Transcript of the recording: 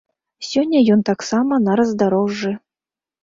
Сёння ён таксама на раздарожжы.